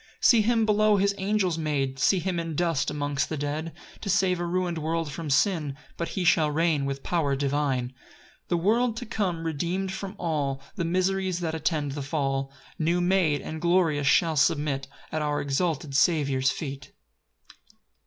4 See him below his angels made, See him in dust amongst the dead, To save a ruin'd world from sin; But he shall reign with power divine. 5 The world to come, redeem'd from all The miseries that attend the fall, New made, and glorious, shall submit At our exalted Saviour's feet.